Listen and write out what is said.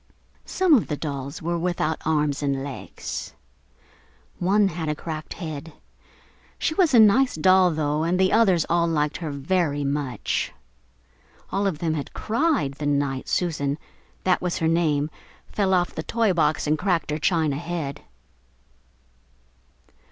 Some of the dolls were without arms and legs. One had a cracked head. She was a nice doll, though, and the others all liked her very much. All of them had cried the night Susan (that was her name) fell off the toy box and cracked her china head.